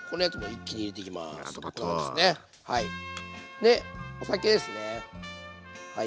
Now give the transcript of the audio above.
でお酒ですねはい。